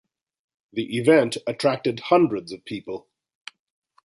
The event attracted hundreds of people.